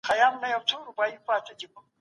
د معافیت سیسټم د انټي باډي په نوم پروتین جوړوي.